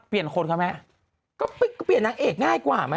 คนคะแม่ก็เปลี่ยนนางเอกง่ายกว่าไหม